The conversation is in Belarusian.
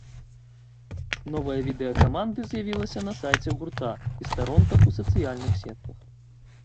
Новае відэа каманды з'явілася на сайце гурта і старонках ў сацыяльных сетках.